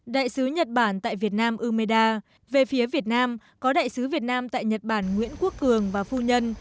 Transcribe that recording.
đại sứ nhật bản tại việt nam umeda về phía việt nam có đại sứ việt nam tại nhật bản nguyễn quốc cường và phu nhân